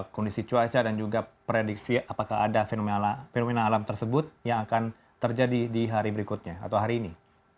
kondisi cuaca dan juga prediksi apakah ada fenomena alam tersebut yang akan terjadi di hari berikutnya atau hari ini